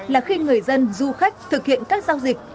là khi người dân du khách thực hiện các giao dịch